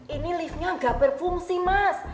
ini liftnya nggak berfungsi mas